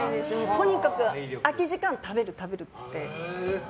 とにかく空き時間は食べるっていう。